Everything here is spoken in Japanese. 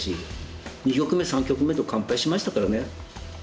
２局目３局目と完敗しましたからね。